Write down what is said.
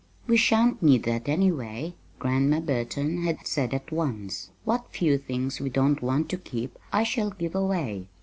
"We shan't need that, anyway," Grandma Burton had said at once. "What few things we don't want to keep I shall give away.